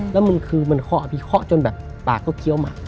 แล้วมันคือมันเคาะพี่เคาะจนแบบปากก็เคี้ยวหมัก